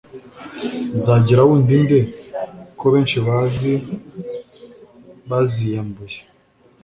Zagira wundi nde ko benshi bazi baziyambuye